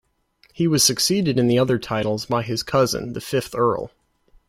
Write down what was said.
He was succeeded in the other titles by his cousin, the fifth Earl.